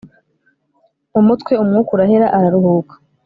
umutwe umwuka urahera araruhuka